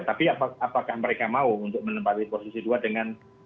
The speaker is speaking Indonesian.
tapi apakah mereka mau untuk menempati posisi dua dengan